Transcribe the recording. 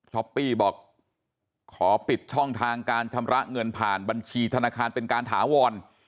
ปี้บอกขอปิดช่องทางการชำระเงินผ่านบัญชีธนาคารเป็นการถาวร